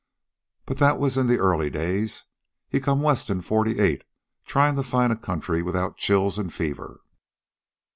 But that was in the early days. He come West in '48, tryin' to find a country without chills an' fever."